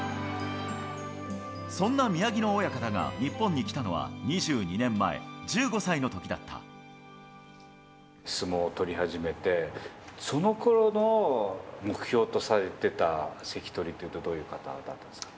そんな宮城野親方が日本に来たのは２２年前、相撲を取り始めて、そのころの目標とされてた関取っていうと、どういう方なんですか。